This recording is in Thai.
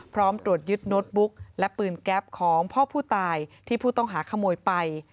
พร้อมตรวจยึดโน้ตบุ๊กและปืนแก๊ปของพ่อผู้ตายที่ผู้ต้องหาขโมยไป